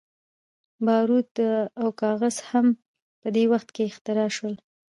باروت او کاغذ هم په دې وخت کې اختراع شول.